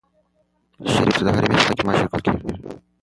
شریف ته د هرې میاشتې په پای کې معاش ورکول کېږي.